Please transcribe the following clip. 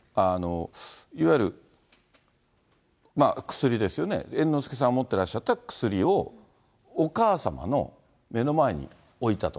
いわゆる薬ですよね、猿之助さん持ってらっしゃった薬をお母様の目の前に置いたと。